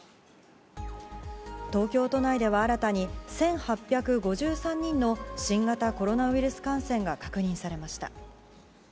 東京都内では新たに１８５３人の新型コロナウイルス感染が確認されました。